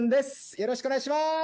よろしくお願いします。